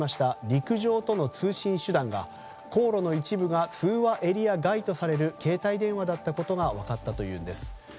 陸上との通信手段が航路の一部が通話エリア外とされる携帯電話だったことが分かったというんです。